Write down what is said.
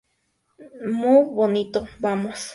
Mu bonito, vamos.